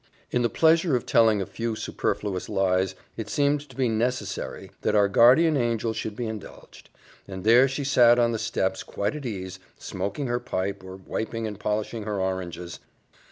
In the pleasure of telling a few superfluous lies it seemed to be necessary that our guardian angel should be indulged; and there she sat on the steps quite at ease, smoking her pipe, or wiping and polishing her oranges.